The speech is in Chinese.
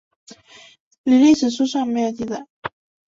李历史书上没有记载。